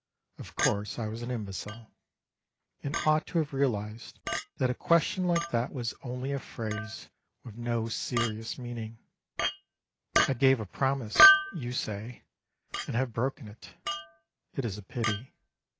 Of course I was an imbecile, and ought to have realised that a question like that was only a phrase, with no serious meaning. I gave a promise, you say, and have broken it. It is a pity.